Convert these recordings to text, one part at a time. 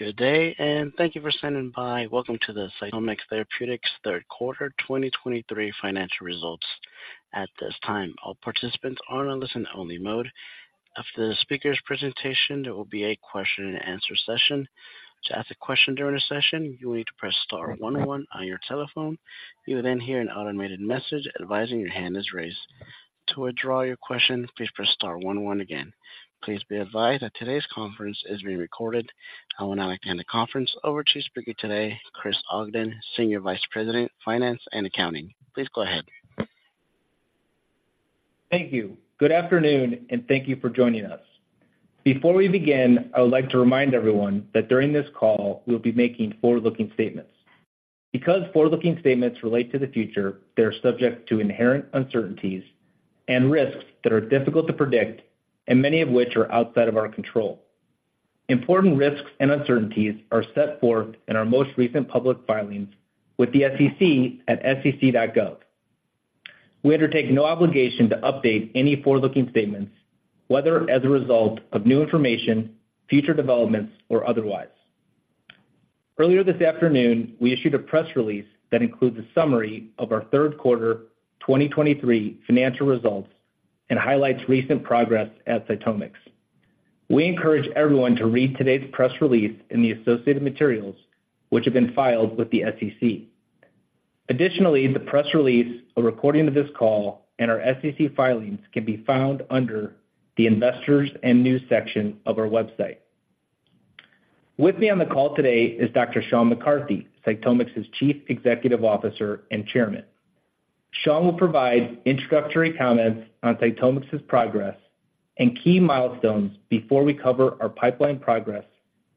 Good day, and thank you for standing by. Welcome to the CytomX Therapeutics third quarter 2023 financial results. At this time, all participants are on a listen-only mode. After the speaker's presentation, there will be a question and answer session. To ask a question during the session, you will need to press star one one on your telephone. You will then hear an automated message advising your hand is raised. To withdraw your question, please press star one one again. Please be advised that today's conference is being recorded. I will now hand the conference over to speaker today, Chris Ogden, Senior Vice President, Finance and Accounting. Please go ahead. Thank you. Good afternoon, and thank you for joining us. Before we begin, I would like to remind everyone that during this call, we'll be making forward-looking statements. Because forward-looking statements relate to the future, they're subject to inherent uncertainties and risks that are difficult to predict and many of which are outside of our control. Important risks and uncertainties are set forth in our most recent public filings with the SEC at sec.gov. We undertake no obligation to update any forward-looking statements, whether as a result of new information, future developments, or otherwise. Earlier this afternoon, we issued a press release that includes a summary of our third quarter 2023 financial results and highlights recent progress at CytomX. We encourage everyone to read today's press release and the associated materials which have been filed with the SEC. Additionally, the press release, a recording of this call, and our SEC filings can be found under the Investors and News section of our website. With me on the call today is Dr. Sean McCarthy, CytomX's Chief Executive Officer and Chairman. Sean will provide introductory comments on CytomX's progress and key milestones before we cover our pipeline progress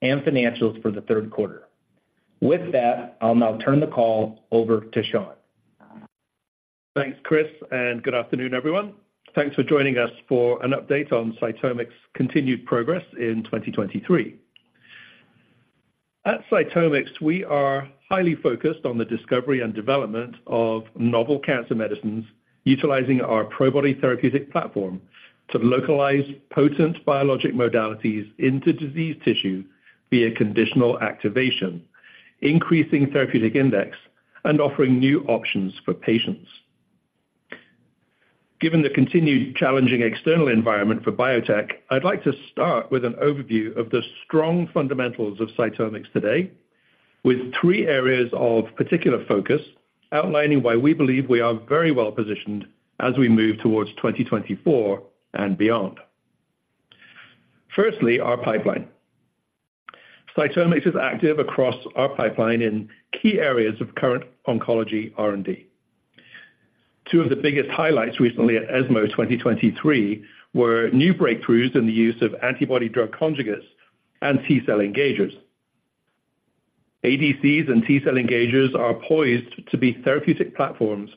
and financials for the third quarter. With that, I'll now turn the call over to Sean. Thanks, Chris, and good afternoon, everyone. Thanks for joining us for an update on CytomX's continued progress in 2023. At CytomX, we are highly focused on the discovery and development of novel cancer medicines utilizing our PROBODY therapeutic platform to localize potent biologic modalities into disease tissue via conditional activation, increasing therapeutic index and offering new options for patients. Given the continued challenging external environment for biotech, I'd like to start with an overview of the strong fundamentals of CytomX today, with three areas of particular focus, outlining why we believe we are very well positioned as we move towards 2024 and beyond. Firstly, our pipeline. CytomX is active across our pipeline in key areas of current oncology R&D. Two of the biggest highlights recently at ESMO 2023 were new breakthroughs in the use of antibody drug conjugates and T-cell engagers. ADCs and T-cell engagers are poised to be therapeutic platforms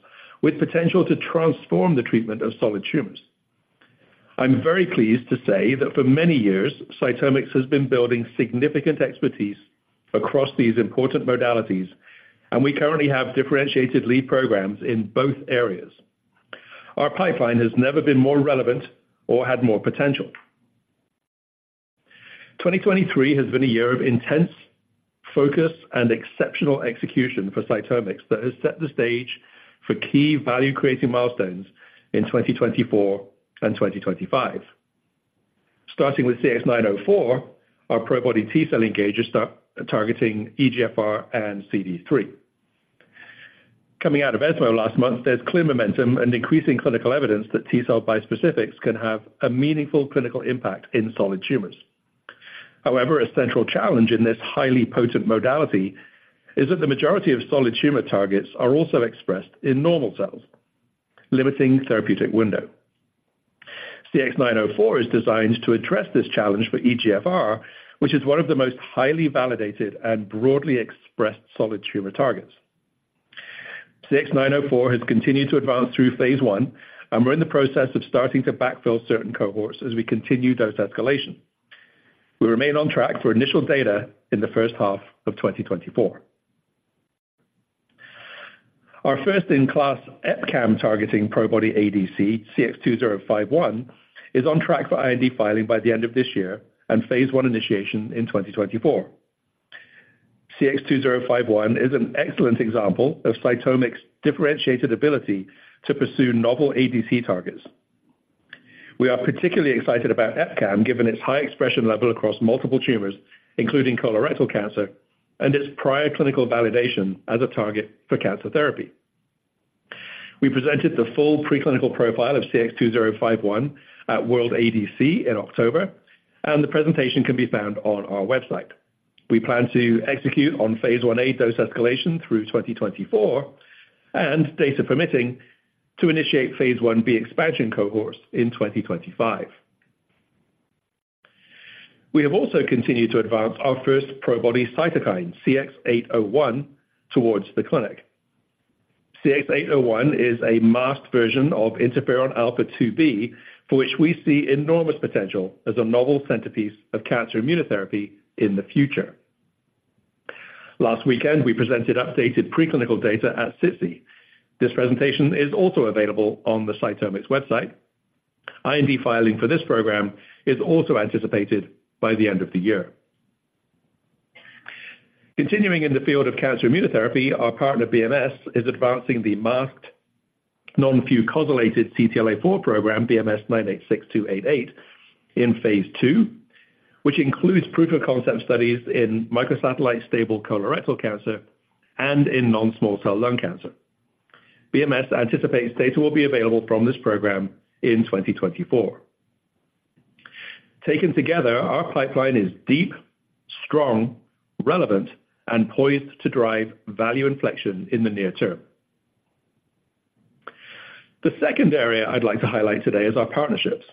with potential to transform the treatment of solid tumors. I'm very pleased to say that for many years, CytomX has been building significant expertise across these important modalities, and we currently have differentiated lead programs in both areas. Our pipeline has never been more relevant or had more potential. 2023 has been a year of intense focus and exceptional execution for CytomX that has set the stage for key value-creating milestones in 2024 and 2025. Starting with CX-904, our PROBODY T-cell engager targeting EGFR and CD3. Coming out of ESMO last month, there's clear momentum and increasing clinical evidence that T-cell bispecifics can have a meaningful clinical impact in solid tumors. However, a central challenge in this highly potent modality is that the majority of solid tumor targets are also expressed in normal cells, limiting therapeutic window. CX-904 is designed to address this challenge for EGFR, which is one of the most highly validated and broadly expressed solid tumor targets. CX-904 has continued to advance through phase I, and we're in the process of starting to backfill certain cohorts as we continue dose escalation. We remain on track for initial data in the first half of 2024. Our first-in-class EpCAM targeting PROBODY ADC, CX-2051, is on track for IND filing by the end of this year and phase I initiation in 2024. CX-2051 is an excellent example of CytomX's differentiated ability to pursue novel ADC targets. We are particularly excited about EpCAM, given its high expression level across multiple tumors, including colorectal cancer, and its prior clinical validation as a target for cancer therapy. We presented the full preclinical profile of CX-2051 at World ADC in October, and the presentation can be found on our website. We plan to execute on phase Ia dose escalation through 2024 and, data permitting, to initiate phase Ib expansion cohorts in 2025. We have also continued to advance our first PROBODY cytokine, CX-801, towards the clinic. CX-801 is a masked version of interferon alpha-2b, for which we see enormous potential as a novel centerpiece of cancer immunotherapy in the future. Last weekend, we presented updated preclinical data at SITC. This presentation is also available on the CytomX website.... IND filing for this program is also anticipated by the end of the year. Continuing in the field of cancer immunotherapy, our partner, BMS, is advancing the masked non-fucosylated CTLA-4 program, BMS-986288, in phase 2, which includes proof-of-concept studies in microsatellite stable colorectal cancer and in non-small cell lung cancer. BMS anticipates data will be available from this program in 2024. Taken together, our pipeline is deep, strong, relevant, and poised to drive value inflection in the near term. The second area I'd like to highlight today is our partnerships.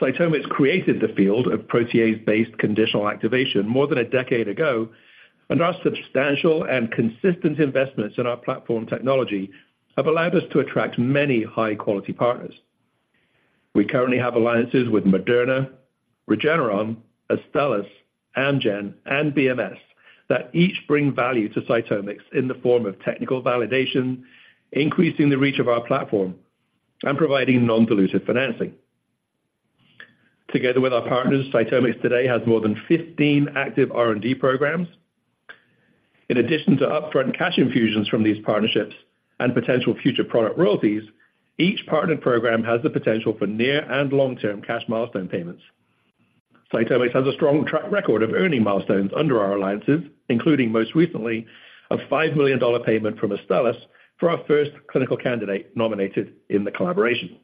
CytomX created the field of protease-based conditional activation more than a decade ago, and our substantial and consistent investments in our platform technology have allowed us to attract many high-quality partners. We currently have alliances with Moderna, Regeneron, Astellas, Amgen, and BMS that each bring value to CytomX in the form of technical validation, increasing the reach of our platform, and providing non-dilutive financing. Together with our partners, CytomX today has more than 15 active R&D programs. In addition to upfront cash infusions from these partnerships and potential future product royalties, each partnered program has the potential for near and long-term cash milestone payments. CytomX has a strong track record of earning milestones under our alliances, including, most recently, a $5 million payment from Astellas for our first clinical candidate nominated in the collaboration.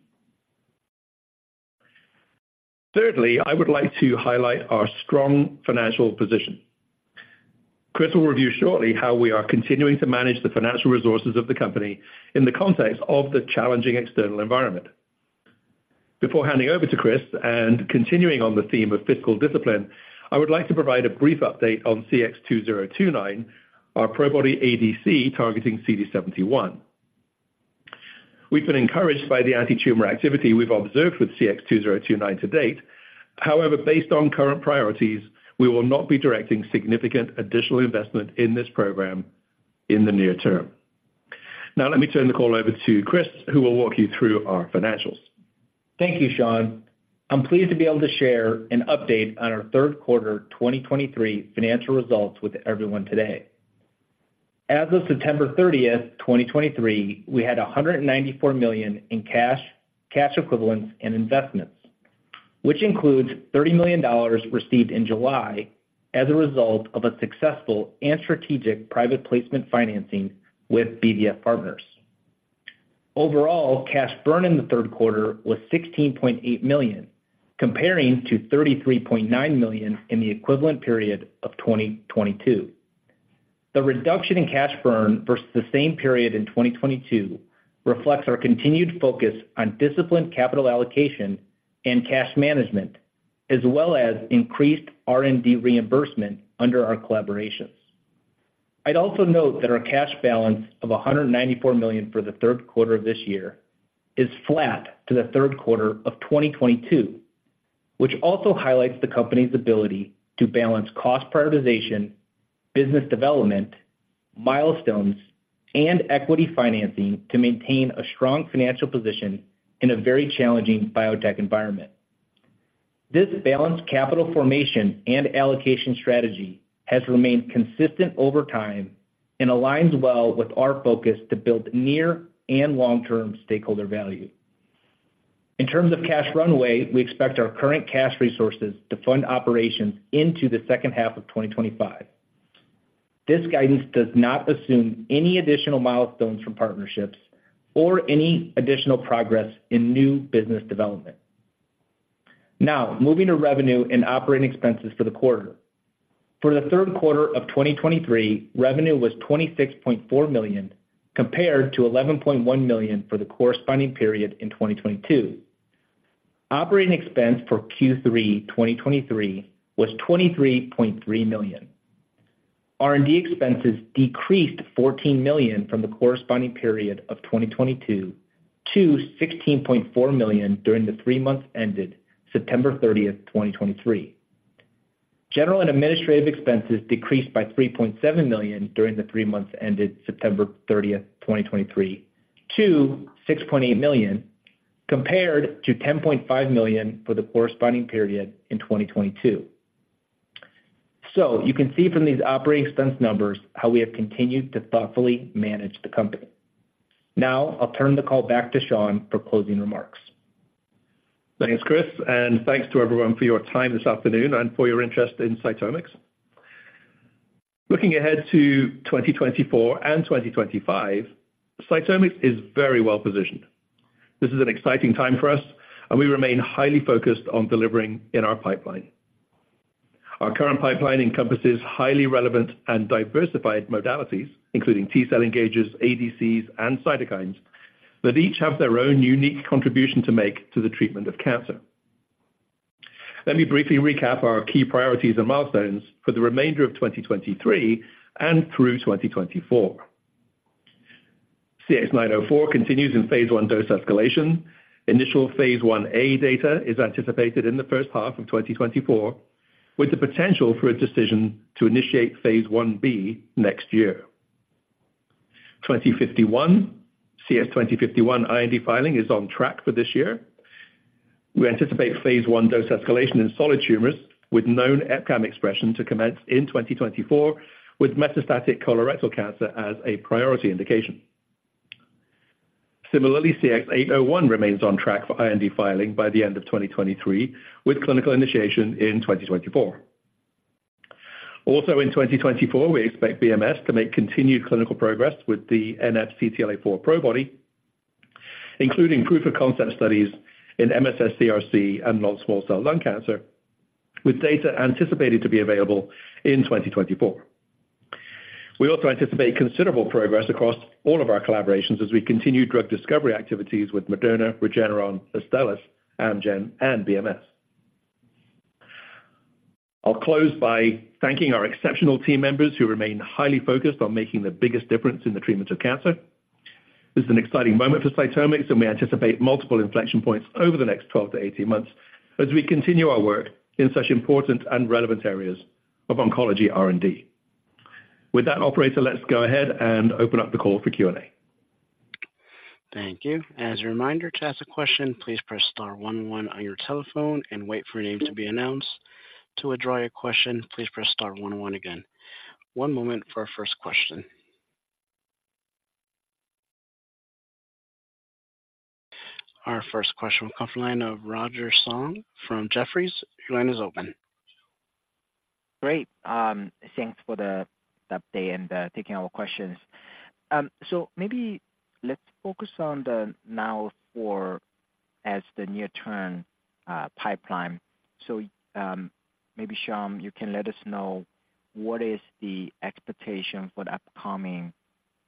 Thirdly, I would like to highlight our strong financial position. Chris will review shortly how we are continuing to manage the financial resources of the company in the context of the challenging external environment. Before handing over to Chris and continuing on the theme of fiscal discipline, I would like to provide a brief update on CX-2029, our PROBODY ADC targeting CD71. We've been encouraged by the antitumor activity we've observed with CX-2029 to date. However, based on current priorities, we will not be directing significant additional investment in this program in the near term. Now let me turn the call over to Chris, who will walk you through our financials. Thank you, Sean. I'm pleased to be able to share an update on our third quarter 2023 financial results with everyone today. As of September 30, 2023, we had $194 million in cash, cash equivalents, and investments, which includes $30 million received in July as a result of a successful and strategic private placement financing with BVF Partners. Overall, cash burn in the third quarter was $16.8 million, comparing to $33.9 million in the equivalent period of 2022. The reduction in cash burn versus the same period in 2022 reflects our continued focus on disciplined capital allocation and cash management, as well as increased R&D reimbursement under our collaborations. I'd also note that our cash balance of $194 million for the third quarter of this year is flat to the third quarter of 2022, which also highlights the company's ability to balance cost prioritization, business development, milestones, and equity financing to maintain a strong financial position in a very challenging biotech environment. This balanced capital formation and allocation strategy has remained consistent over time and aligns well with our focus to build near and long-term stakeholder value. In terms of cash runway, we expect our current cash resources to fund operations into the second half of 2025. This guidance does not assume any additional milestones from partnerships or any additional progress in new business development. Now, moving to revenue and operating expenses for the quarter. For the third quarter of 2023, revenue was $26.4 million, compared to $11.1 million for the corresponding period in 2022. Operating expense for Q3 2023 was $23.3 million. R&D expenses decreased $14 million from the corresponding period of 2022 to $16.4 million during the three months ended September 30, 2023. General and administrative expenses decreased by $3.7 million during the three months ended September 30, 2023, to $6.8 million, compared to $10.5 million for the corresponding period in 2022. You can see from these operating expense numbers how we have continued to thoughtfully manage the company. Now, I'll turn the call back to Sean for closing remarks. Thanks, Chris, and thanks to everyone for your time this afternoon and for your interest in CytomX. Looking ahead to 2024 and 2025, CytomX is very well positioned. This is an exciting time for us, and we remain highly focused on delivering in our pipeline. Our current pipeline encompasses highly relevant and diversified modalities, including T-cell engagers, ADCs, and cytokines, that each have their own unique contribution to make to the treatment of cancer. Let me briefly recap our key priorities and milestones for the remainder of 2023 and through 2024. CX-904 continues in phase I dose escalation. Initial phase Ia data is anticipated in the first half of 2024, with the potential for a decision to initiate phase Ib next year. CX-2051, CX-2051 IND filing is on track for this year. We anticipate phase I dose escalation in solid tumors with known EpCAM expression to commence in 2024, with metastatic colorectal cancer as a priority indication. Similarly, CX-801 remains on track for IND filing by the end of 2023, with clinical initiation in 2024. Also, in 2024, we expect BMS to make continued clinical progress with the NF CTLA-4 PROBODY, including proof of concept studies in MSS CRC and non-small cell lung cancer, with data anticipated to be available in 2024. We also anticipate considerable progress across all of our collaborations as we continue drug discovery activities with Moderna, Regeneron, Astellas, Amgen, and BMS. I'll close by thanking our exceptional team members who remain highly focused on making the biggest difference in the treatment of cancer. This is an exciting moment for CytomX, and we anticipate multiple inflection points over the next 12-18 months as we continue our work in such important and relevant areas of oncology R&D. With that, operator, let's go ahead and open up the call for Q&A. Thank you. As a reminder, to ask a question, please press star one one on your telephone and wait for your name to be announced. To withdraw your question, please press star one one again. One moment for our first question. Our first question will come from the line of Roger Song from Jefferies. Your line is open. Great. Thanks for the, the update and, taking our questions. So maybe let's focus on the now for as the near-term, pipeline. So, maybe, Sean, you can let us know what is the expectation for the upcoming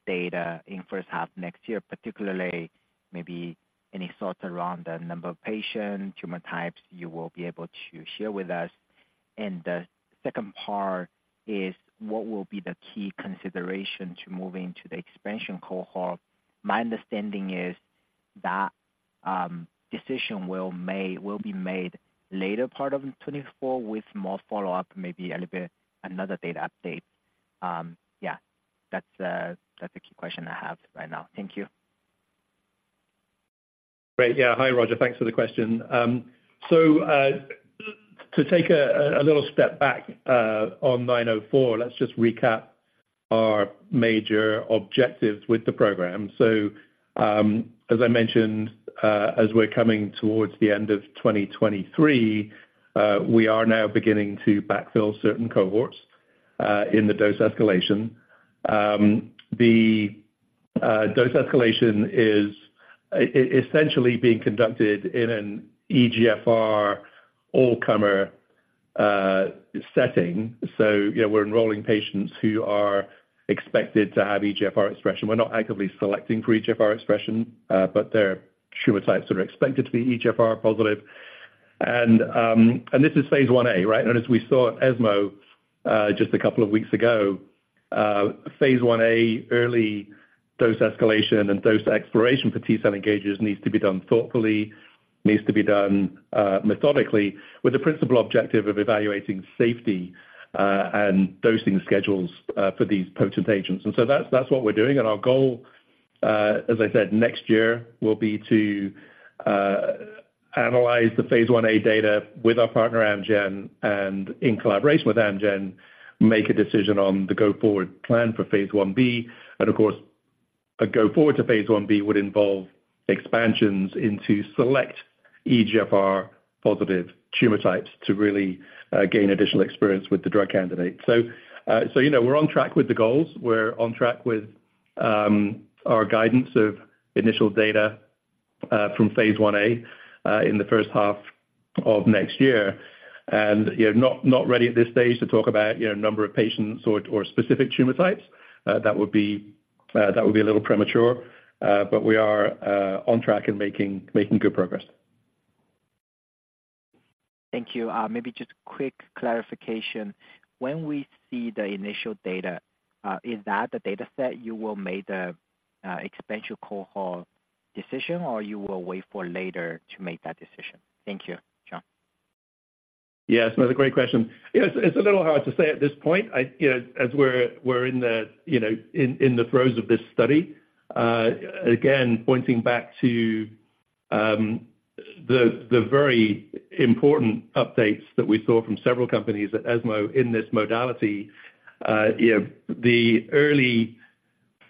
data in first half next year, particularly maybe any thoughts around the number of patients, tumor types you will be able to share with us? And the second part is, what will be the key consideration to moving to the expansion cohort? My understanding is that, decision will made, will be made later part of 2024, with more follow-up, maybe a little bit another data update. Yeah, that's, that's the key question I have right now. Thank you. Great. Yeah. Hi, Roger, thanks for the question. So, to take a little step back, on 904, let's just recap our major objectives with the program. So, as I mentioned, as we're coming towards the end of 2023, we are now beginning to backfill certain cohorts, in the dose escalation. The dose escalation is essentially being conducted in an EGFR all-comer setting. So, you know, we're enrolling patients who are expected to have EGFR expression. We're not actively selecting for EGFR expression, but their tumor sites are expected to be EGFR positive. And this is phase Ia, right? As we saw at ESMO just a couple of weeks ago, phase Ia early dose escalation and dose exploration for T-cell engagers needs to be done thoughtfully, needs to be done methodically, with the principal objective of evaluating safety and dosing schedules for these potent agents. So that's, that's what we're doing. Our goal, as I said, next year, will be to analyze the phase Ia data with our partner, Amgen, and in collaboration with Amgen, make a decision on the go-forward plan for phase Ib. And of course, a go forward to phase Ib would involve expansions into select EGFR-positive tumor types to really gain additional experience with the drug candidate. So, so, you know, we're on track with the goals. We're on track with our guidance of initial data from phase Ia in the first half of next year. You know, not ready at this stage to talk about, you know, number of patients or specific tumor types. That would be a little premature, but we are on track and making good progress. Thank you. Maybe just quick clarification. When we see the initial data, is that the data set you will make the expansion cohort decision, or you will wait for later to make that decision? Thank you, Sean. Yes, another great question. You know, it's, it's a little hard to say at this point. I, you know, as we're, we're in the, you know, in, in the throes of this study. Again, pointing back to, the, the very important updates that we saw from several companies at ESMO in this modality, you know, the early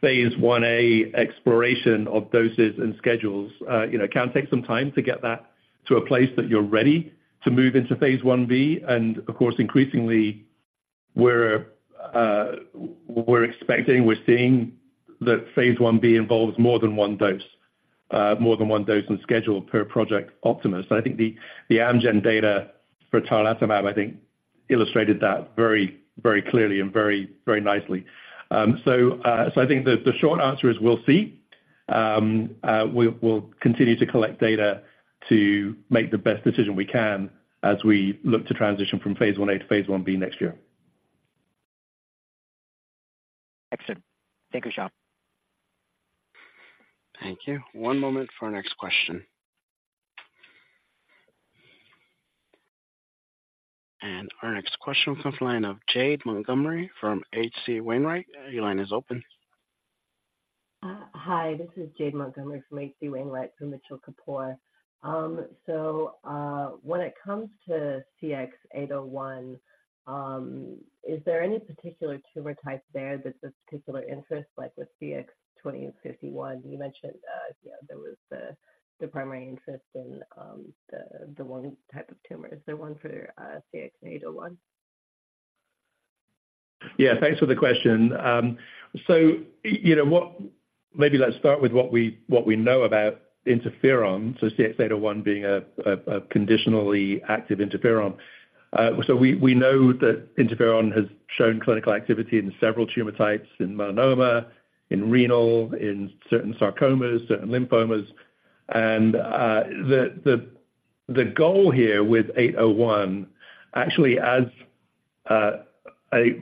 phase Ia exploration of doses and schedules, you know, can take some time to get that to a place that you're ready to move into phase Ib. And of course, increasingly, we're, we're expecting, we're seeing that phase Ib involves more than one dose, more than one dose and schedule per Project Optimus. I think the, the Amgen data for tarlatamab, I think, illustrated that very, very clearly and very, very nicely. So, so I think the, the short answer is we'll see. We'll continue to collect data to make the best decision we can as we look to transition from phase Ia to phase Ib next year. Excellent. Thank you, Sean. Thank you. One moment for our next question.... Our next question comes from the line of Jade Montgomery from H.C. Wainwright. Your line is open. Hi, this is Jade Montgomery from H.C. Wainwright, from Mitchell Kapoor. So, when it comes to CX-801, is there any particular tumor type there that's of particular interest, like with CX-2051? You mentioned, you know, there was the primary interest in, the one type of tumor. Is there one for CX-801? Yeah, thanks for the question. So, you know what? Maybe let's start with what we know about interferon, so CX-801 being a conditionally active interferon. So we know that interferon has shown clinical activity in several tumor types, in melanoma, in renal, in certain sarcomas, certain lymphomas. And the goal here with CX-801, actually, as I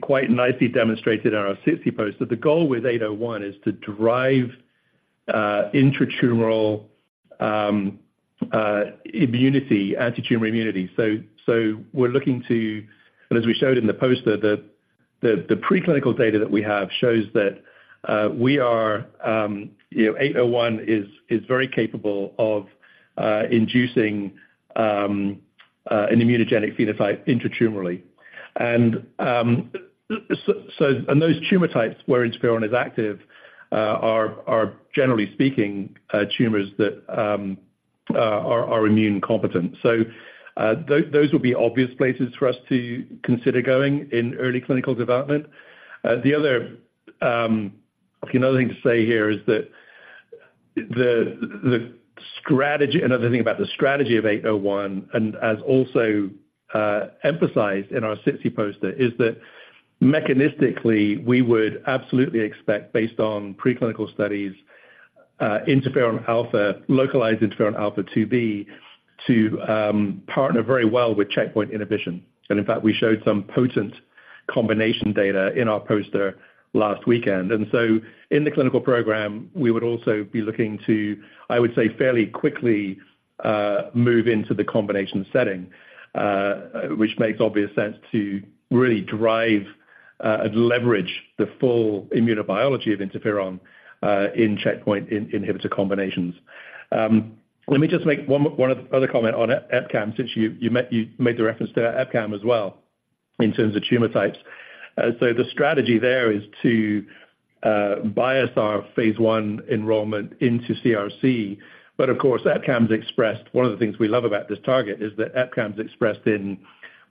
quite nicely demonstrated in our SITC poster, that the goal with CX-801 is to drive intratumoral immunity, antitumor immunity. So we're looking to... And as we showed in the poster, the preclinical data that we have shows that, you know, CX-801 is very capable of inducing an immunogenic phenotype intratumorally. Those tumor types where interferon is active are generally speaking tumors that are immune competent. Those will be obvious places for us to consider going in early clinical development. Another thing to say here is that the strategy, another thing about the strategy of 801, and as also emphasized in our SITC poster, is that mechanistically we would absolutely expect, based on preclinical studies, interferon alpha-2b, localized interferon alpha-2b, to partner very well with checkpoint inhibition. And in fact, we showed some potent combination data in our poster last weekend. And so in the clinical program, we would also be looking to, I would say, fairly quickly, move into the combination setting, which makes obvious sense to really drive, and leverage the full immunobiology of interferon, in checkpoint inhibitor combinations. Let me just make one other comment on EpCAM, since you, you made the reference to EpCAM as well in terms of tumor types. So the strategy there is to, bias our phase I enrollment into CRC. But of course, EpCAM is expressed... One of the things we love about this target is that EpCAM is expressed in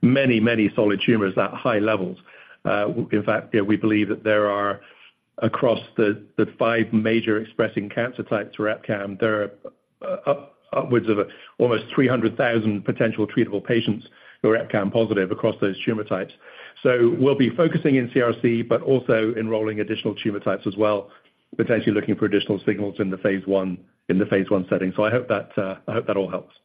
many, many solid tumors at high levels. In fact, you know, we believe that there are, across the, the five major expressing cancer types for EpCAM, there are, upwards of almost 300,000 potential treatable patients who are EpCAM positive across those tumor types. So we'll be focusing in CRC, but also enrolling additional tumor types as well, potentially looking for additional signals in the phase I, in the phase I setting. So I hope that, I hope that all helps.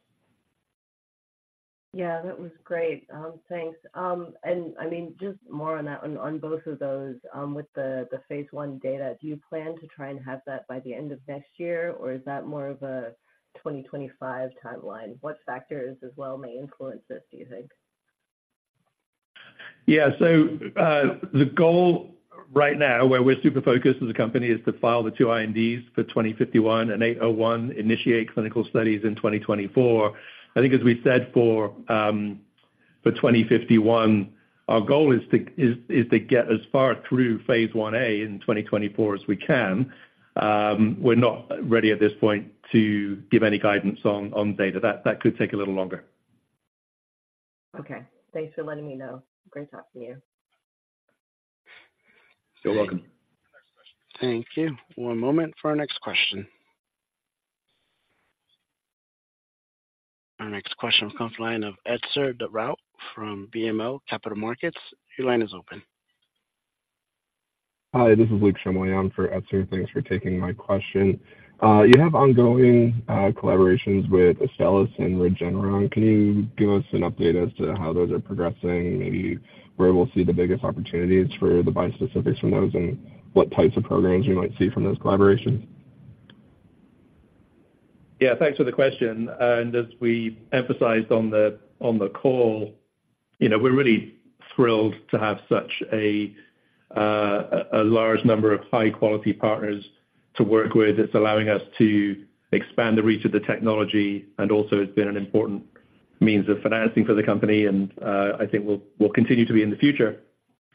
Yeah, that was great. Thanks. And I mean, just more on that, on both of those, with the phase I data, do you plan to try and have that by the end of next year, or is that more of a 2025 timeline? What factors as well may influence this, do you think? Yeah. So, the goal right now, where we're super focused as a company, is to file the two INDs for CX-2051 and CX-801, initiate clinical studies in 2024. I think, as we said for CX-2051, our goal is to get as far through phase Ia in 2024 as we can. We're not ready at this point to give any guidance on data. That could take a little longer. Okay. Thanks for letting me know. Great talking to you. You're welcome. Thank you. One moment for our next question. Our next question comes from the line of Etzer DeRout from BMO Capital Markets. Your line is open. Hi, this is Luke [Shamoyon] for Etzer Darout. Thanks for taking my question. You have ongoing collaborations with Astellas and Regeneron. Can you give us an update as to how those are progressing, maybe where we'll see the biggest opportunities for the bispecifics from those, and what types of programs we might see from those collaborations? Yeah, thanks for the question. And as we emphasized on the call, you know, we're really thrilled to have such a large number of high-quality partners to work with. It's allowing us to expand the reach of the technology and also it's been an important means of financing for the company, and I think will continue to be in the future.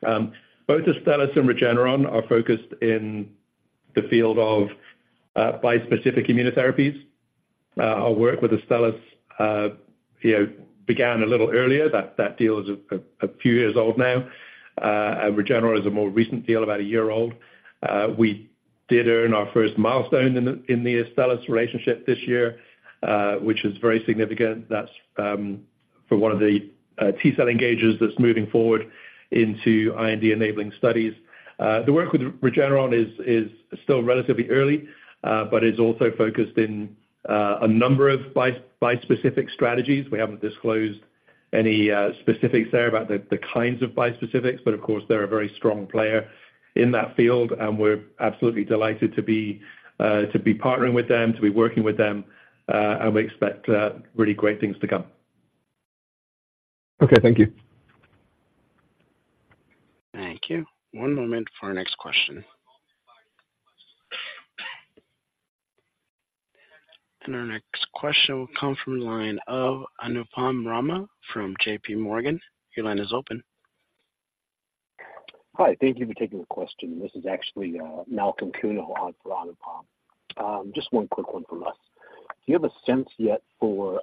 Both Astellas and Regeneron are focused in the field of bispecific immunotherapies. Our work with Astellas, you know, began a little earlier. That deal is a few years old now. And Regeneron is a more recent deal, about a year old. We did earn our first milestone in the Astellas relationship this year, which is very significant. That's for one of the T-cell engagers that's moving forward into IND-enabling studies. The work with Regeneron is still relatively early, but is also focused in a number of bispecific strategies. We haven't disclosed any specifics there about the kinds of bispecifics, but of course, they're a very strong player in that field, and we're absolutely delighted to be partnering with them, to be working with them, and we expect really great things to come. Okay, thank you.... Thank you. One moment for our next question. Our next question will come from the line of Anupam Rama from JPMorgan. Your line is open. Hi, thank you for taking the question. This is actually, Malcolm Kuno on for Anupam. Just one quick one from us. Do you have a sense yet for,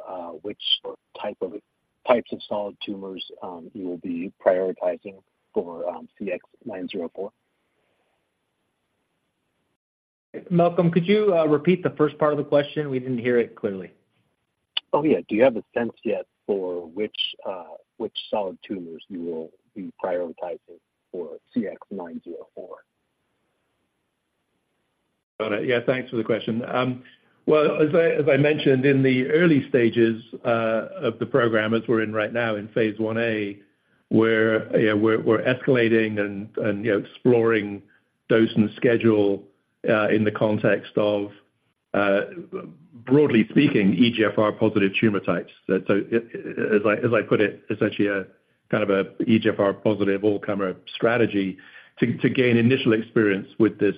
types of solid tumors you will be prioritizing for, CX-904? Malcolm, could you repeat the first part of the question? We didn't hear it clearly. Oh, yeah. Do you have a sense yet for which solid tumors you will be prioritizing for CX-904? Got it. Yeah, thanks for the question. Well, as I mentioned, in the early stages of the program, as we're in right now, in phase Ia, we're escalating and, you know, exploring dose and schedule in the context of, broadly speaking, EGFR-positive tumor types. So, as I put it, essentially a kind of a EGFR-positive all-comer strategy to gain initial experience with this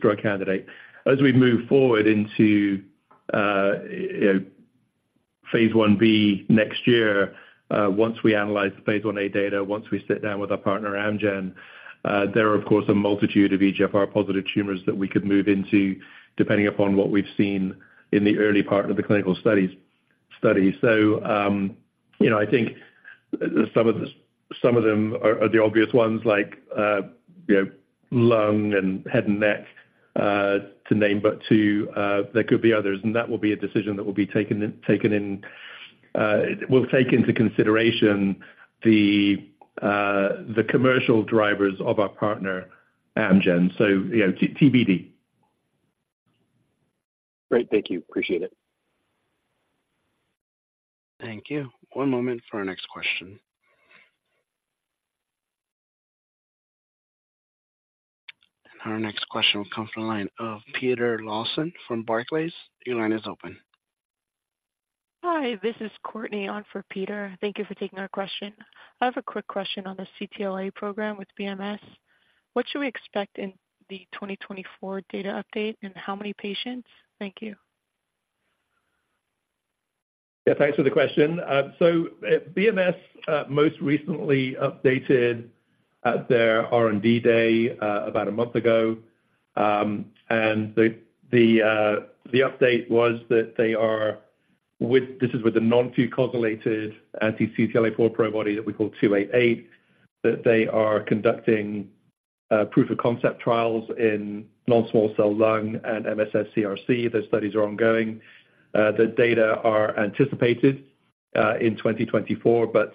drug candidate. As we move forward into, you know, phase Ib next year, once we analyze the phase Ia data, once we sit down with our partner Amgen, there are, of course, a multitude of EGFR-positive tumors that we could move into, depending upon what we've seen in the early part of the clinical studies. So, you know, I think some of the, some of them are the obvious ones like, you know, lung and head and neck, to name but two. There could be others, and that will be a decision that we'll take into consideration the commercial drivers of our partner, Amgen. So, you know, TBD. Great. Thank you. Appreciate it. Thank you. One moment for our next question. Our next question will come from the line of Peter Lawson from Barclays. Your line is open. Hi, this is Courtney on for Peter. Thank you for taking our question. I have a quick question on the CTLA program with BMS. What should we expect in the 2024 data update, and how many patients? Thank you. Yeah, thanks for the question. So, BMS most recently updated at their R&D day about a month ago. And the update was that they are with this is with the non-fucosylated anti-CTLA-4 PROBODY that we call 288, that they are conducting proof of concept trials in non-small cell lung and MSS CRC. The studies are ongoing. The data are anticipated in 2024, but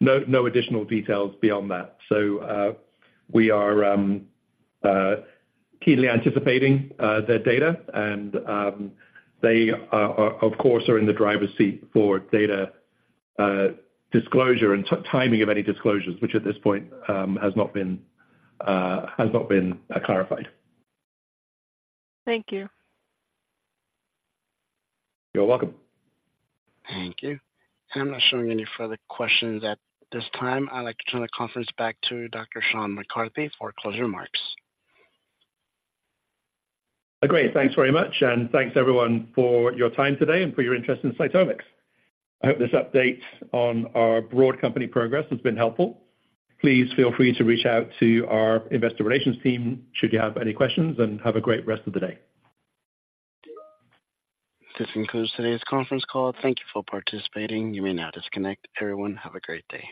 no additional details beyond that. So, we are keenly anticipating their data, and they are of course in the driver's seat for data disclosure and timing of any disclosures, which at this point has not been clarified. Thank you. You're welcome. Thank you. I'm not showing any further questions at this time. I'd like to turn the conference back to Dr. Sean McCarthy for closing remarks. Great. Thanks very much, and thanks everyone for your time today and for your interest in CytomX. I hope this update on our broad company progress has been helpful. Please feel free to reach out to our investor relations team should you have any questions, and have a great rest of the day. This concludes today's conference call. Thank you for participating. You may now disconnect. Everyone, have a great day.